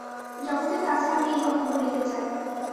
জগতের কাছে আমি এই কথা বলিতে চাই।